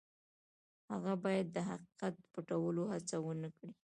هغه باید د حقیقت د پټولو هڅه ونه کړي.